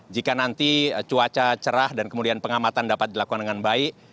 jika nanti cuaca cerah dan kemudian pengamatan dapat dilakukan dengan baik